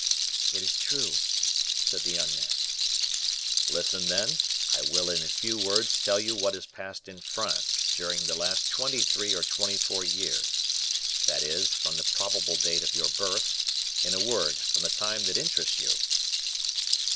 "It is true," said the young man. "Listen, then; I will in a few words tell you what has passed in France during the last twenty three or twenty four years; that is, from the probable date of your birth; in a word, from the time that interests you."